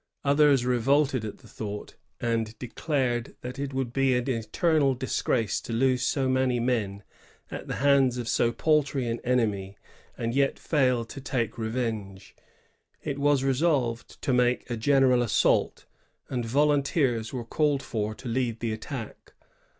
Others revolted at the thought, and declared that it would be an eternal disgrace to lose so many men at the hands of so paltry an enemy, and yet fail to take revenge. It 136 THE HEROES OF THE LONG SAUT. [1660. was resolved to make a general assault, and volun teers were called for to lead the attack.